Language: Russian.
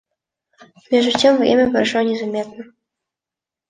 Между тем время прошло незаметно.